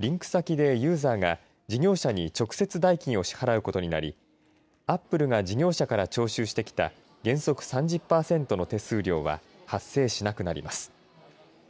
リンク先でユーザーが事業者に直接代金を支払うことになりアップルが事業者から徴収してきた原則３０パーセントの手数料は発生しなくなります。